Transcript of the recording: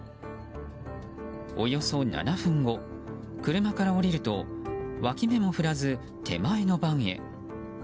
およそ７分後、車から降りると脇目も振らず手前のバンへ。